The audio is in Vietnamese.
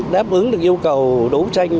đáp ứng được yêu cầu đấu tranh